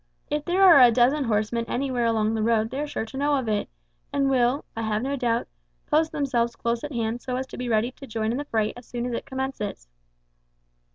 If there are a dozen horsemen anywhere along the road they are sure to know of it, and will, I have no doubt, post themselves close at hand so as to be ready to join in the fray as soon as it commences."